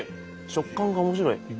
食感が面白い！